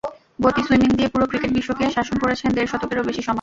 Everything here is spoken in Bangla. গতি, সুইং দিয়ে পুরো ক্রিকেট-বিশ্বকে শাসন করেছেন দেড় দশকেরও বেশি সময়।